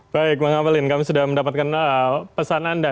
baik bang apelin kamu sudah mendapatkan pesan anda